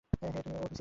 ওহ, তুমি সিরিয়াস।